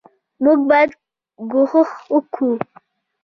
موږ باید کوښښ وکو